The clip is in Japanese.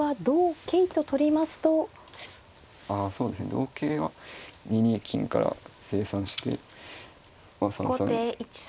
同桂は２二金から清算して３三銀とかで。